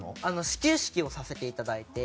始球式をさせていただいて。